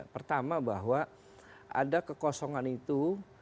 pertama bahwa ada kekosongan itu